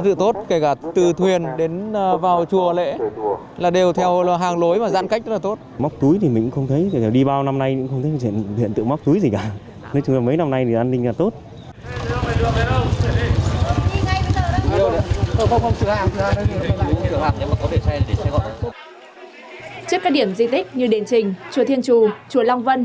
trước các điểm di tích như đền trình chùa thiên chù chùa long vân